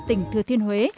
tỉnh thừa thiên huế